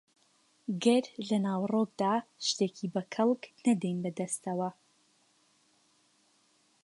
گەر لە ناوەڕۆکدا شتێکی بە کەڵک نەدەین بەدەستەوە